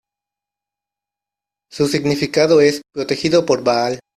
Su significado es "protegido por Baal".